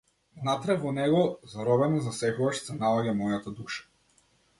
Внатре во него, заробена засекогаш, се наоѓа мојата душа.